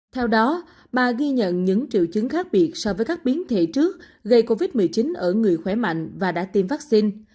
theo đó bà ghi nhận những triệu chứng khác biệt so với các biến thể trước gây covid một mươi chín ở người khỏe mạnh và đã tiêm vaccine